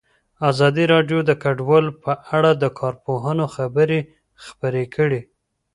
ازادي راډیو د کډوال په اړه د کارپوهانو خبرې خپرې کړي.